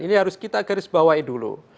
ini harus kita garis bawahi dulu